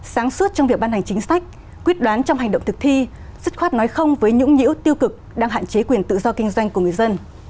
sáng suốt trong việc ban hành chính sách quyết đoán trong hành động thực thi dứt khoát nói không với nhũng nhũ tiêu cực đang hạn chế quyền tự do kinh doanh của người dân